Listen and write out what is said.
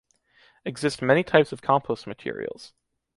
Exist many types of compost materials